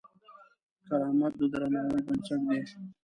کرامت د درناوي بنسټ دی.